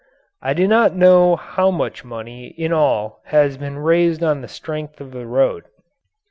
I do not know how much money in all has been raised on the strength of the road.